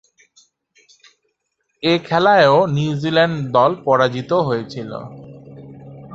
এ খেলায়ও নিউজিল্যান্ড দল পরাজিত হয়েছিল।